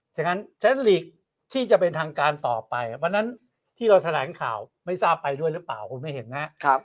ฉะนั้นทางการต่อไปวันนั้นที่เราแถลงข่าวไม่ทราบไปด้วยหรือเปล่าคุณไม่เห็นนะ